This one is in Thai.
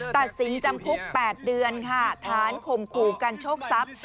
ตัดสินจำคุก๘เดือนค่ะฐานข่มขู่กันโชคทรัพย์